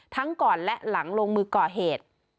ก่อนและหลังลงมือก่อเหตุ